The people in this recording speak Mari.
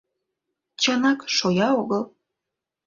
Чынак, шоя огыл.